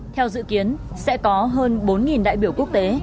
theo dự kiến sẽ có hơn bốn đại biểu quốc tế